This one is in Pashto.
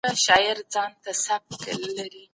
د خوب ستونزه باید جدي ونیول شي.